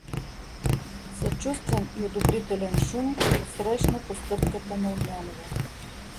Съчувствен и одобрителен шум посрещна постъпката на Огнянова.